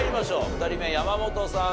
２人目山本さん